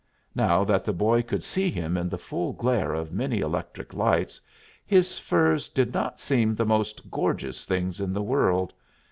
Now that the boy could see him in the full glare of many electric lights, his furs did not seem the most gorgeous things in the world.